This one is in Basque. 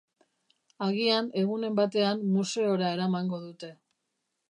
Agian egunen batean museora eramango dute.